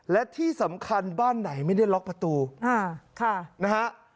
และที่สำคัญบ้านไหนไม่ได้ล็อกประตูนะฮะ